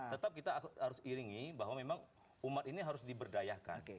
tetap kita harus iringi bahwa memang umat ini harus diberdayakan